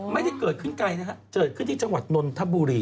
ไม่ได้เกิดขึ้นไกลนะฮะเกิดขึ้นที่จังหวัดนนทบุรี